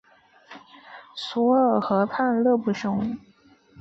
索尔河畔勒布雄。